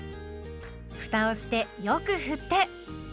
ふたをしてよく振って。